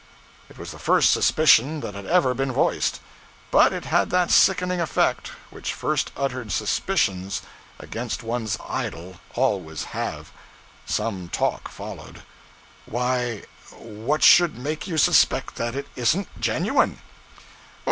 It was the first suspicion that had ever been voiced; but it had that sickening effect which first uttered suspicions against one's idol always have. Some talk followed 'Why what should make you suspect that it isn't genuine?'